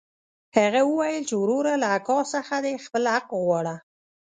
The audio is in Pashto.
هغه وويل چې وروره له اکا څخه دې خپل حق وغواړه.